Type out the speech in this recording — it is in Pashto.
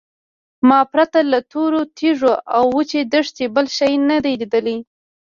ما پرته له تورو تیږو او وچې دښتې بل شی نه دی لیدلی.